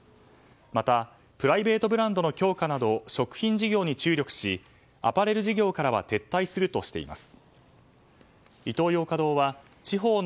またプライベートブランドの強化など食品事業に注力しアパレル事業からは撤退するとしています。